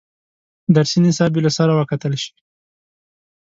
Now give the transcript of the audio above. درسي نصاب یې له سره وکتل شي.